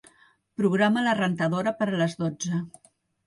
Programa la rentadora per a les dotze.